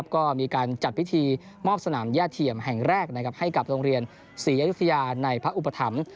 ก็มีการจัดพิธีมอบสนามย่าเทียมแห่งแรกให้กับโรงเรียนศรีอยุธยาในพระอุปถัมภ์